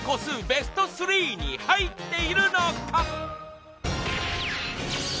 ベスト３に入っているのか？